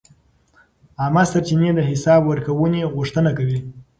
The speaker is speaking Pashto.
عامه سرچینې د حساب ورکونې غوښتنه کوي.